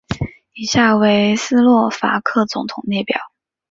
以下为斯洛伐克总统列表。